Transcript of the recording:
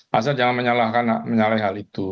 saya jangan menyalahkan hal itu